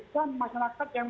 bukan masyarakat yang